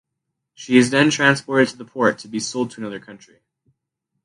She is then transported to the port to be sold to another country.